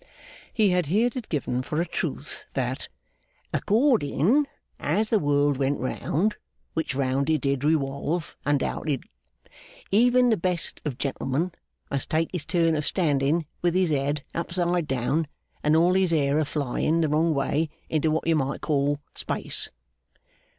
He had heerd it given for a truth that accordin' as the world went round, which round it did rewolve undoubted, even the best of gentlemen must take his turn of standing with his ed upside down and all his air a flying the wrong way into what you might call Space.